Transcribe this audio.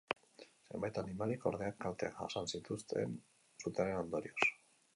Zenbait animalik, ordea, kalteak jasan zituzten sutearen ondorioz.